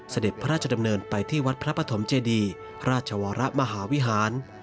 เสด็จพระราชดำเนินไปที่วัดพระปฐมเจดีราชวรมหาวิหาร